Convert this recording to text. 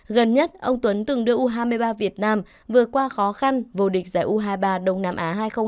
gần nhất ông tuấn từng đưa u hai mươi ba việt nam vượt qua khó khăn vô địch giải u hai mươi ba đông nam á hai nghìn hai mươi ba